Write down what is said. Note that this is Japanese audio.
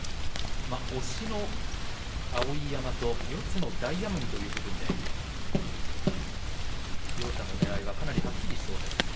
押しの碧山と四つの大奄美ということで両者のねらいはかなりはっきりしそうです。